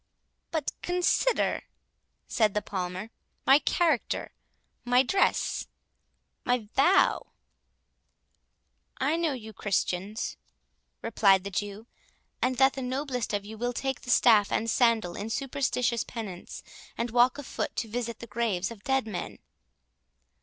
"But consider," said the Palmer, "my character, my dress, my vow." "I know you Christians," replied the Jew, "and that the noblest of you will take the staff and sandal in superstitious penance, and walk afoot to visit the graves of dead men."